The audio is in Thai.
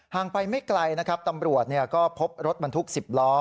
ไปไม่ไกลนะครับตำรวจก็พบรถบรรทุก๑๐ล้อ